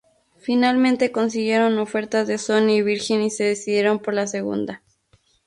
Finalmente consiguieron ofertas de Sony y Virgin, y se decidieron por la segunda.